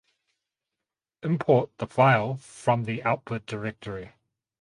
import the file from the output directory